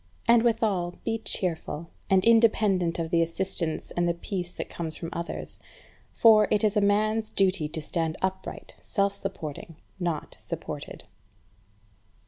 And withal, be cheerful, and independent of the assistance and the peace that comes from others; for, it is a man's duty to stand upright, self supporting, not supported.